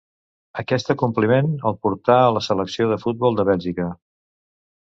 Aquest acompliment el portà a la selecció de futbol de Bèlgica.